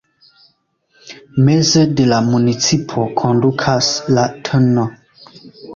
Meze de la municipo kondukas la tn.